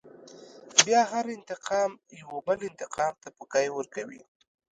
بيا هر انتقام يوه بل انتقام ته پوکی ورکوي.